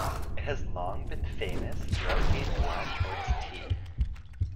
It has long been famous throughout Vietnam for its tea.